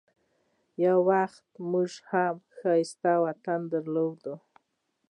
یو وخت موږ هم ښایسته وطن درلود.